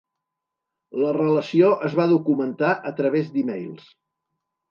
La relació es va documentar a través d'e-mails